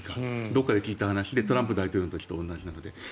どこかで聞いた話でトランプ前大統領と同じくらい。